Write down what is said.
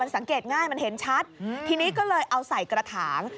สังเกตง่ายมันเห็นชัดทีนี้ก็เลยเอาใส่กระถาง